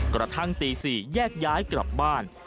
กระทั่งตี๔แยกย้ายกลับบ้าน